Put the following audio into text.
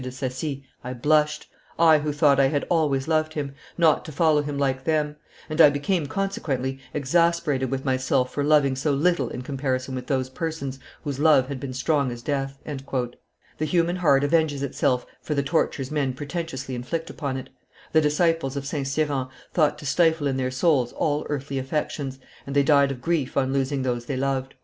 de Saci, I blushed I who thought I had always loved him not to follow him like them; and I became, consequently, exasperated with myself for loving so little in comparison with those persons, whose love had been strong as death." The human heart avenges itself for the tortures men pretentiously inflict upon it: the disciples of St. Cyran thought to stifle in their souls all earthly affections, and they died of grief on losing those they loved.